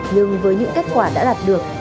nhưng với những kết quả đã đạt được